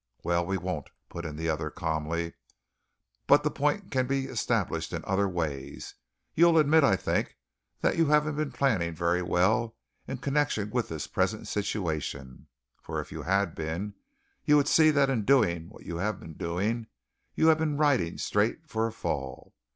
"Well, we won't," put in the other calmly, "but the point can be established in other ways. You'll admit, I think, that you haven't been planning very well in connection with this present situation, for if you had been, you would see that in doing what you have been doing you have been riding straight for a fall.